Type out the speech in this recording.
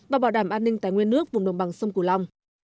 và bảo đảm an ninh tài nguyên nước vùng đồng bằng sông cửu long